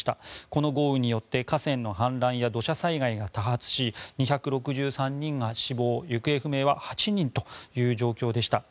この豪雨によって河川の氾濫や土砂災害が多発し２６３人が死亡行方不明は８人という状況でした。